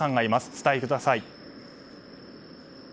伝えてください。